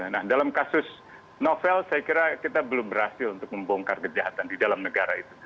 nah dalam kasus novel saya kira kita belum berhasil untuk membongkar kejahatan di dalam negara itu